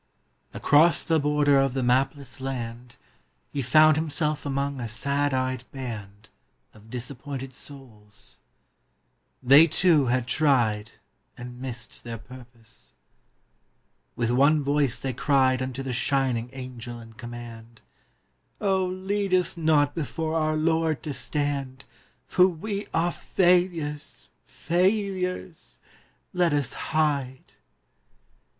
Across the border of the mapless land He found himself among a sad eyed band Of disappointed souls; they, too, had tried And missed their purpose. With one voice they cried Unto the shining Angel in command: 'Oh, lead us not before our Lord to stand, For we are failures, failures! Let us hide.